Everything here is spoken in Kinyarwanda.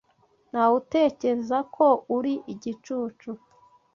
Ntawe utekereza ko uri igicucu.